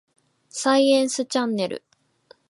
サイエンスチャンネル